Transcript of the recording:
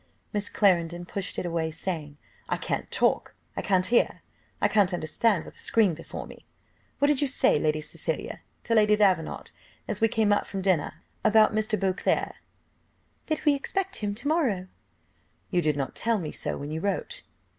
Miss Clarendon pushed it away, saying, "I can't talk, I can't hear, I can't understand with a screen before me. What did you say, Lady Cecilia, to Lady Davenant, as we came out from dinner, about Mr. Beauclerc?" "That we expect him to morrow." "You did not tell me so when you wrote!"